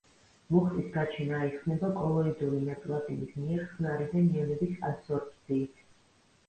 მუხტის გაჩენა აიხსნება კოლოიდური ნაწილაკების მიერ ხსნარიდან იონების ადსორბციით.